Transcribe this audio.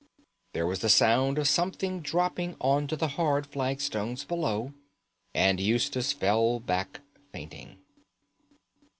There was the sound of something dropping on to the hard flagstones below, and Eustace fell back fainting.